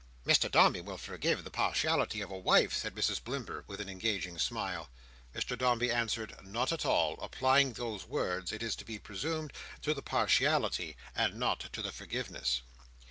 "Mr Dombey will forgive the partiality of a wife," said Mrs Blimber, with an engaging smile. Mr Dombey answered "Not at all:" applying those words, it is to be presumed, to the partiality, and not to the forgiveness.